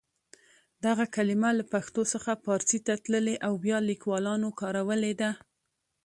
دغه کلمه له پښتو څخه پارسي ته تللې او بیا لیکوالانو کارولې ده.